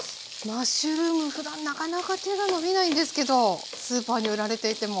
マッシュルームふだんなかなか手が伸びないんですけどスーパーに売られていても。